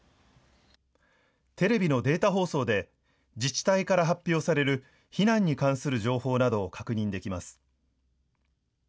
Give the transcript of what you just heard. テレビのデータ放送で自治体から発表される避難に関する情報などを確認できます。